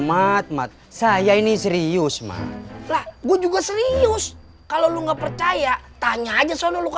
matematik saya ini serius mah lah gue juga serius kalau lu nggak percaya tanya aja soalnya lu ke